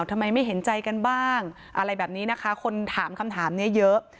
ทำไมไม่เห็นใจกันบ้างอะไรแบบนี้นะคะคนถามคำถามนี้เยอะ